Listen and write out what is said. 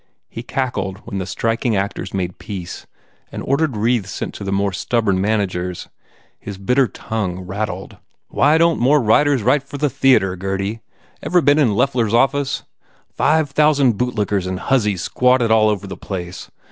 He cackled when the striking actors made peace and ordered wreaths sent to the more stubborn managers. His bitter tongue rattled. u Why don t more writers write for the theatre, Gurdy? Ever been in Billy Loeffler s office? Five thousand bootlickers and hussies squatted all over the place.